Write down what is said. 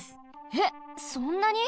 えっそんなに？